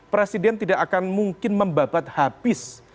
presiden tidak akan mungkin membabat habis